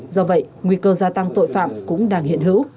còn gia tăng tội phạm cũng đang hiện hữu